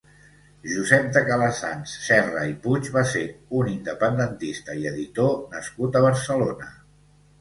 Josep de Calassanç Serra i Puig va ser un independentista i editor nascut a Barcelona.